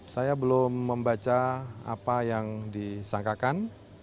saya belum membaca apa yang disangkakan